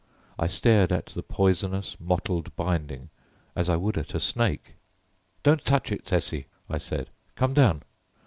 I stared at the poisonous mottled binding as I would at a snake. "Don't touch it, Tessie," I said; "come down."